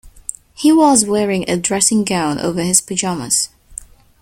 He was wearing a dressing gown over his pyjamas